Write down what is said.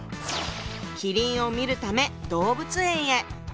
麒麟を見るため動物園へ。